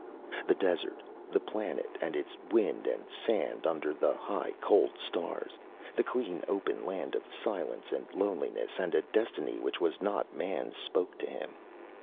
The desert, the planet and its wind and sand under the high cold stars, the clean open land of silence and loneliness and a destiny which was not man's, spoke to him.